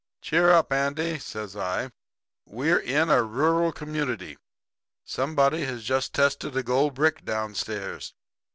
"'Cheer up, Andy,' says I. 'We're in a rural community. Somebody has just tested a gold brick downstairs.